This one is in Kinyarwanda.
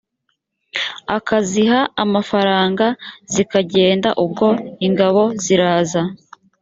akaziha amafaranga zikagenda ubwo ingabo ziraza